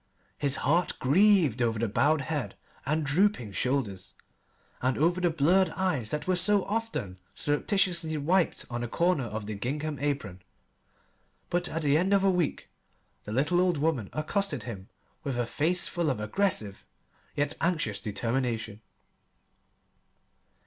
His heart grieved over the bowed head and drooping shoulders, and over the blurred eyes that were so often surreptitiously wiped on a corner of the gingham apron. But at the end of a week the little old woman accosted him with a face full of aggressive yet anxious determination.